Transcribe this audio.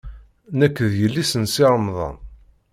Nekk d yelli-s n Si Remḍan.